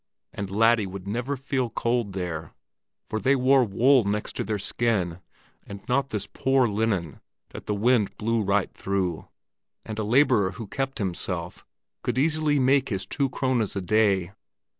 And laddie would never feel cold there, for they wore wool next their skin, and not this poor linen that the wind blew right through; and a laborer who kept himself could easily make his two krones a day.